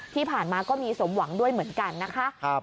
ที่ผ่านมาก็มีสมหวังด้วยเหมือนกันนะคะ